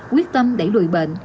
quyết tâm đẩy lùi bệnh